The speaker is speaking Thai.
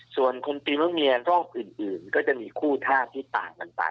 ส่วนคนปีมะเมียรอบอื่นก็จะมีคู่ท่าที่ต่างกันไป